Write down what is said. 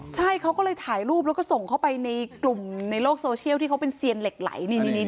ใช่เขาก็เลยถ่ายรูปแล้วก็ส่งเข้าไปในกลุ่มในโลกโซเชียลที่เขาเป็นเซียนเหล็กไหล